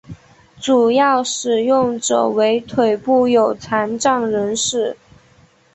主要使用者为腿部有残障人士。